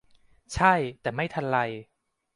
ใช่ แต่ไม่ทันไร